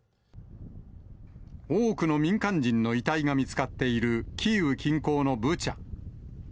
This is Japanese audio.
多くの民間人の遺体が見つかっている、キーウ近郊のブチャ。